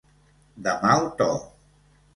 De mal to.